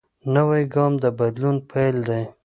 نوی ګام د بدلون پیل دی